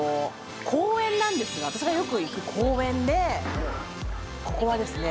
公園なんですが私がよく行く公園でここはですね